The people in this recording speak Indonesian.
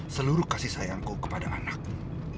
seluruh kasih sayangku kepada anakku